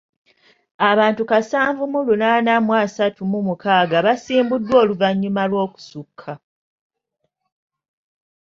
Abantu kasanvu mu lunaana mu asatu mu mukaaga basimbuddwa oluvannyuma lw'okussuuka.